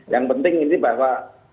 yang penting ini bahwa